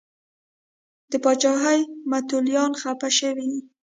د پاچاهۍ متولیان خفه شوي دي.